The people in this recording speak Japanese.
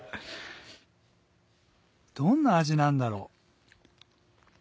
どんな味なんだろう？